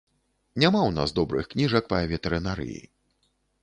Няма ў нас добрых кніжак па ветэрынарыі.